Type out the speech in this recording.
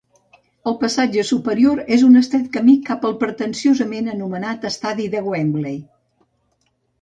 El passatge superior és un estret camí cap al pretensiosament anomenat Estadi de Wembley.